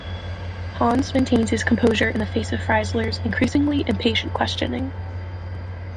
Hans maintains his composure in the face of Freisler's increasingly impatient questioning.